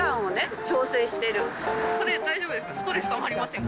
それ、大丈夫ですか？